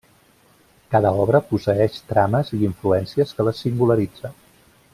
Cada obra posseeix trames i influències que les singularitzen.